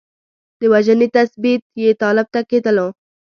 د وژنې نسبیت یې طالب ته کېدلو.